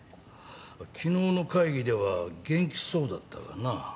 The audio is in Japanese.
昨日の会議では元気そうだったがな。